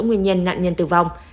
nguyên nhân nạn nhân tử vong